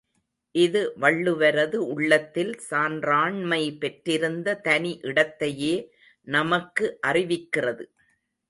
இது வள்ளுவரது உள்ளத்தில் சான்றாண்மை பெற்றிருந்த தனி இடத்தையே நமக்கு அறிவிக்கிறது.